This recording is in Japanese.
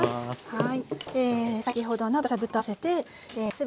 はい。